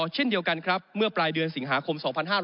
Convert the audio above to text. เช่นเดียวกันครับเมื่อปลายเดือนสิงหาคม๒๕๕๙